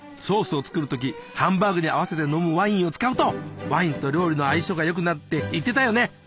ソースを作る時ハンバーグに合わせて飲むワインを使うとワインと料理の相性が良くなるって言ってたよね。